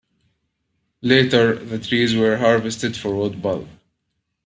Later, the trees were harvested for wood pulp.